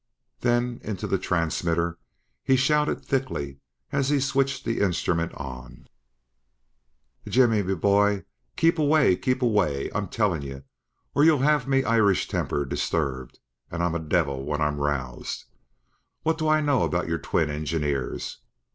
Then, into the transmitter, he shouted thickly as he switched the instrument on: "Jimmy, me bhoy, kape away! Kape away, I'm tellin' you, or ye'll have me Irish temper disturbed, and I'm a divil whin I'm roused! What do I know about your twin ingineers?